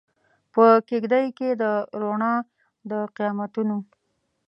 په کیږدۍ کې د روڼا د قیامتونو